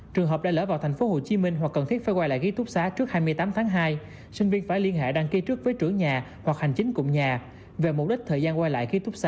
trường hợp đã lỡ vào tp hcm hoặc cần thiết phải quay lại ký túc xá trước hai mươi tám tháng hai sinh viên phải liên hệ đăng ký trước với chủ nhà hoặc hành chính cụm nhà về mục đích thời gian quay lại ký túc xá